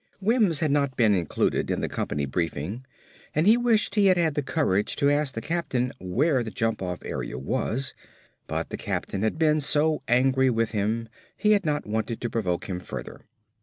_Wims had not been included in the company briefing and he wished he had had the courage to ask the captain where the jump off area was, but the captain had been so angry with him he had not wanted to provoke him further.